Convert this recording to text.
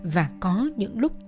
và có những lúc